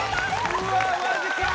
うわマジか！